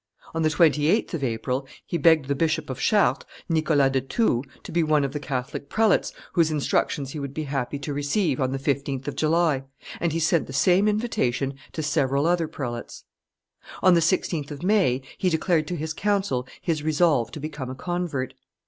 On the 28th of April, he begged the Bishop of Chartres, Nicholas de Thou, to be one of the Catholic prelates whose instructions he would be happy to receive on the 15th of July, and he sent the same invitation to several other prelates. On the 16th of May, he declared to his council his resolve to become a convert.